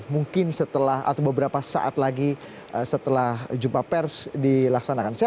mungkin setelah atau beberapa saat lagi setelah jumpa pers dilaksanakan